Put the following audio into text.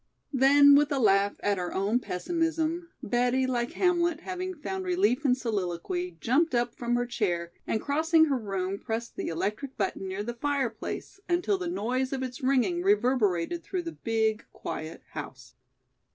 Then with a laugh at her own pessimism, Betty, like Hamlet, having found relief in soliloquy, jumped up from her chair and crossing her room pressed the electric button near the fireplace until the noise of its ringing reverberated through the big, quiet house.